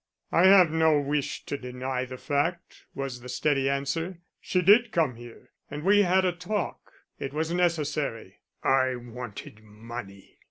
"I have no wish to deny the fact," was the steady answer. "She did come here and we had a talk; it was necessary; I wanted money."